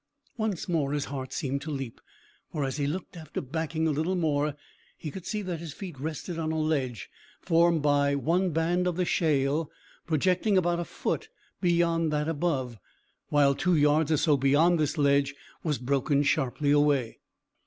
Once more his heart seemed to leap, for as he looked after backing a little more, he could see that his feet rested on a ledge formed by one band of the shale projecting about a foot beyond that above, while two yards or so beyond this ledge was broken sharply away.